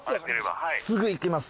すぐ行きます。